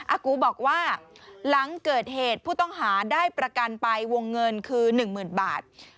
อากูบอกว่าหลังเกิดเหตุผู้ต้องหาได้ประกันไปวงเงินคือ๑๐๐๐บาท